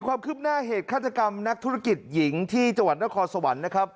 ความคืบหน้าเหตุฆาตกรรมนักธุรกิจหญิงที่จังหวัดนครสวรรค์นะครับ